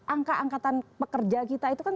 angka angkatan pekerja kita itu kan